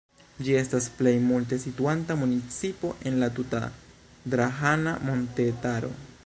Ĝi estas plej multe situanta municipo en la tuta Drahana montetaro.